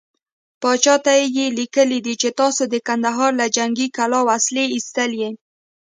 پاچا ته يې ليکلي دي چې تاسو د کندهار له جنګې کلا وسلې ايستلې.